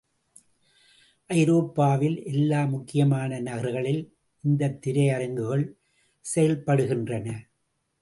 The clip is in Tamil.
ஐரோப்பாவில் எல்லா முக்கியமான நகர்களில் இந்தத் திரையரங்குகள் செயல்படுகின்றன.